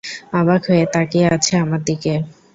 অবাক হয়ে তাকিয়ে আছে আমার দিকে।